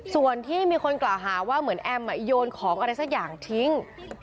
ส่วนที่มีคนกล่าวหาว่าเหมือนแอมโยนของอะไรสักอย่างทิ้ง